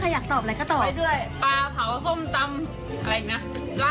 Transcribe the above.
อยากตอบอะไรก็ตอบไปด้วยปลาเผาส้มตำอะไรอย่างนี้